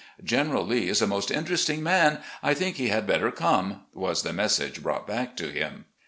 "General Lee is a most interesting man; I think he had better come," was the message brought back to him.